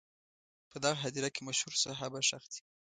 په دغه هدیره کې مشهور صحابه ښخ دي.